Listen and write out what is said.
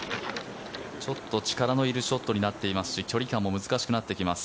ちょっと力のいるショットになっていますし距離感も難しくなってきます。